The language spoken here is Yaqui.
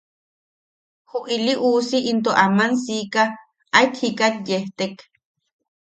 Ju ili usi into aman siika aet jikat yestek.